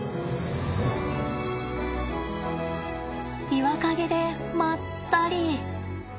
岩陰でまったり。